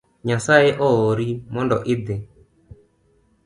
Nyasaye oori mondo idhi